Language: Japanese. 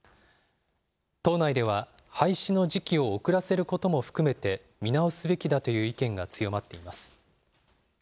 党内では廃止の時期を遅らせることも含めて見直すべきだという意見が強まっています。